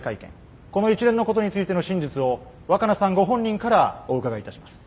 この一連のことについての真実を若菜さんご本人からお伺いいたします。